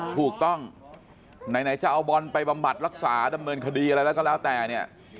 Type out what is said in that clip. ถูกต้องไหนจะเอาบอลไปบำบัดรักษาดำเนินคดีอะไรแล้วก็แล้วแต่เนี่ย